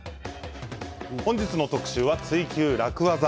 本日の特集は「ツイＱ楽ワザ」。